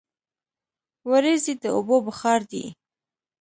وریځې د اوبو بخار دي.